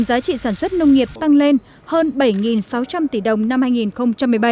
giá trị sản xuất nông nghiệp tăng lên hơn bảy sáu trăm linh tỷ đồng năm hai nghìn một mươi bảy